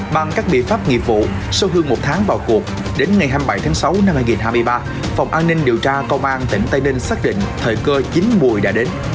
bằng các biện pháp nghiệp vụ sau hơn một tháng vào cuộc đến ngày hai mươi bảy tháng sáu năm hai nghìn hai mươi ba phòng an ninh điều tra công an tỉnh tây ninh xác định thời cơ chín mùi đã đến